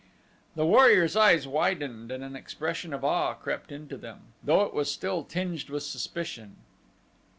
The warrior's eyes widened and an expression of awe crept into them, though it was still tinged with suspicion.